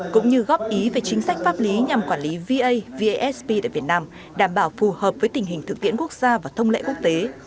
cũng như góp ý về chính sách pháp lý nhằm quản lý va va vasp tại việt nam đảm bảo phù hợp với tình hình thực tiễn quốc gia và thông lệ quốc tế